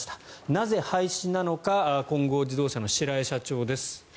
なぜ廃止なのか金剛自動車の白江社長です。